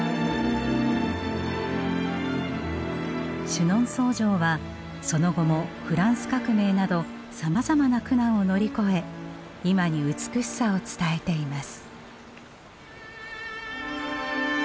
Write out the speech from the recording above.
シュノンソー城はその後もフランス革命などさまざまな苦難を乗り越え今に美しさを伝えています。